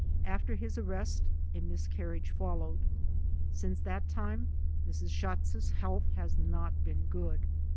After his arrest a mis carriage followed. Since that time Mrs. Schatz's health has not been good.